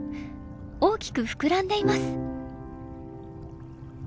大きく膨らんでいます。